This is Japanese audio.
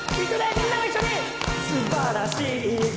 みんなも一緒に！